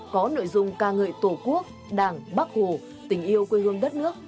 có nội dung ca ngợi tổ quốc đảng bác hồ tình yêu quê hương đất nước